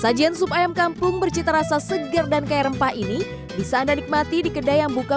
sajian sup ayam kampung bercita rasa segar dan kayak rempah ini bisa anda nikmati di kedai yang buka